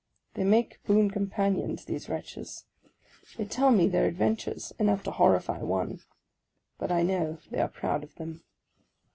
They make boon companions, triese wretches. They tell me their adventures, — enough to horrify one; but I know they are proud of them.